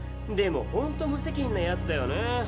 でもほんと無責任なやつだよね。